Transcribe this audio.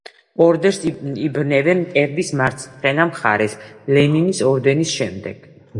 ორდენს იბნევენ მკერდის მარცხენა მხარეს, ლენინის ორდენის შემდეგ.